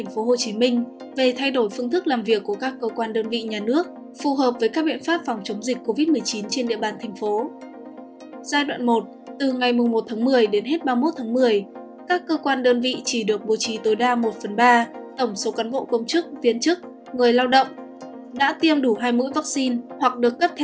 giai đoạn hai từ ngày một một mươi một đến hết ngày một mươi năm một hai nghìn hai mươi hai các cơ quan đơn vị chỉ được bố trí tới đa một phần hai tổng số cán bộ công chức biên chức người lao động